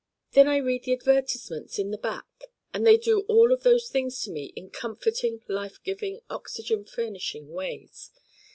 Then I read the advertisements in the Back and they do all of those things to me in comforting life giving oxygen furnishing ways.